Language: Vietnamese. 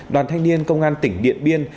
đoàn thanh niên công an tỉnh điện biên